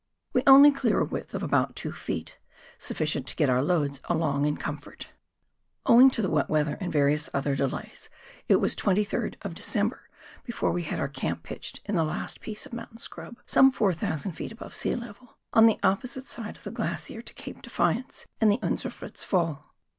We only clear a width of about two feet, sufficient to get our loads along in comfort. Owing to wet weather and various other delays, it was the 2'3rd of December before we had our camp pitched in the last piece of mountain scrub, some 4,000 ft. above sea level, on the opposite side of the glacier to Cape Defiance and the Unser Fritz Fall.